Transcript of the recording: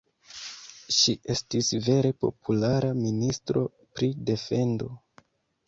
Ŝi estis vere populara ministro pri defendo.